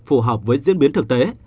phù hợp với diễn biến thực tế